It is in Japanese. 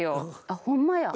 あっほんまや。